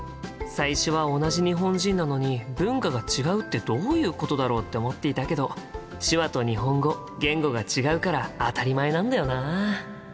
最初は同じ日本人なのに文化が違うってどういうことだろうって思っていたけど手話と日本語言語が違うから当たり前なんだよな。